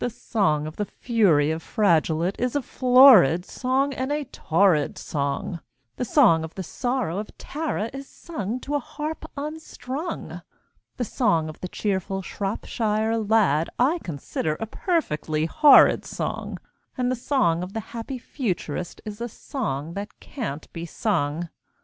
The song of the fury of Fragolette is a florid song and a torrid song, The song of the sorrow of Tara is sung to a harp unstrung, The song of the cheerful Shropshire Lad I consider a perfectly horrid song, And the song of the happy Futurist is a song that can't be sung.